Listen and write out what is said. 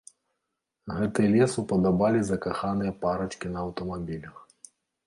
Гэты лес упадабалі закаханыя парачкі на аўтамабілях.